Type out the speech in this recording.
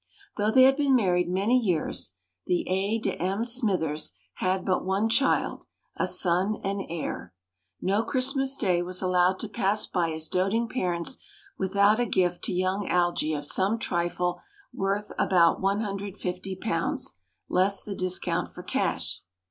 Though they had been married many years, the A. de M. Smythers had but one child a son and heir. No Christmas Day was allowed to pass by his doting parents without a gift to young Algy of some trifle worth about 150 pounds, less the discount for cash.